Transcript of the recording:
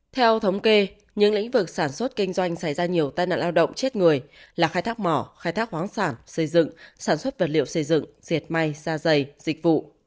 theo thống kê những lĩnh vực sản xuất kinh doanh xảy ra nhiều tai nạn lao động chết người là khai thác mỏ khai thác khoáng sản xây dựng sản xuất vật liệu xây dựng diệt may xa dày dịch vụ